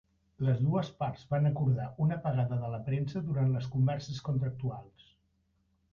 Les dues parts van acordar una apagada de la premsa durant les converses contractuals.